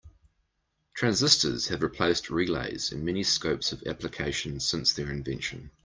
Transistors have replaced relays in many scopes of application since their invention.